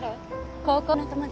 高校の友達。